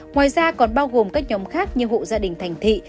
ngoài ra còn bao gồm các nhóm khác như hộ gia đình thành thị